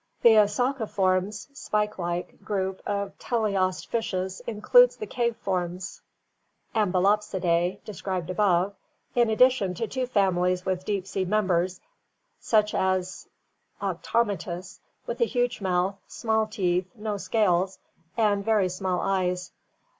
The Esociformes (pike like) group of teleost fishes includes the cave forms, Amblyopsidae, described above, in addition to two fami lies with deep sea members, such as Cctomitnus, with a huge mouth, small teeth, no scales, and very small eyes.